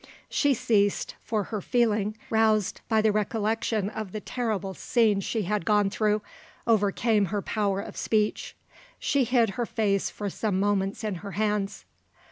She ceased, for her feeling, roused by the recollection of the terrible scenes she had gone through, overcame her power of speech. She hid her face for some moments in her hands!